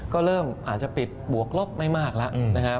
ก็เริ่มอาจจะปิดบวกลบไม่มากแล้วนะครับ